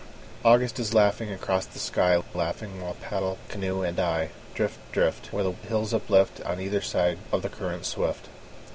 August is laughing across the sky, Laughing while paddle, canoe and I, Drift, drift, Where the hills uplift On either side of the current swift.